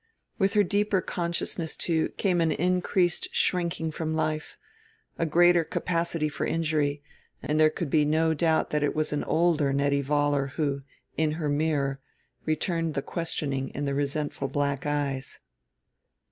With her deeper consciousness, too, came an increased shrinking from life, a greater capacity for injury; and there could be no doubt that it was an older Nettie Vollar who, in her mirror, returned the questioning in the resentful black eyes.